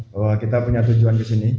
bahwa kita punya tujuan kesini